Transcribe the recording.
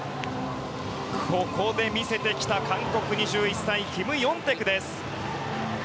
ここで見せてきた、韓国２１歳のキム・ヨンテク。